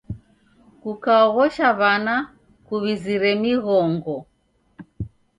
Kukaoghosha w'ana kuw'izire mighongo.